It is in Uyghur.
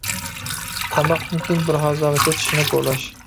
تاماقتىن كېيىن بىر ھازاغىچە چىشنى كولاش.